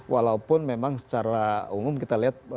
walaupun memang secara umum kita lihat